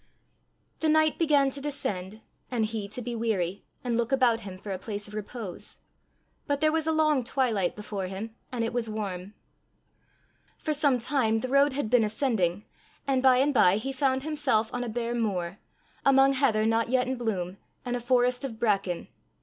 The night began to descend and he to be weary, and look about him for a place of repose. But there was a long twilight before him, and it was warm. For some time the road had been ascending, and by and by he found himself on a bare moor, among heather not yet in bloom, and a forest of bracken.